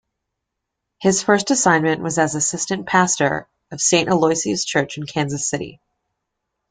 His first assignment was as assistant pastor of Saint Aloysius Church in Kansas City.